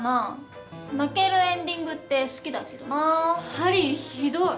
マリーひどい。